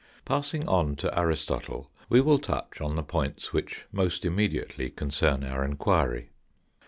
Passing on to Aristotle, we will touch on the points which most immediately concern our enquiry.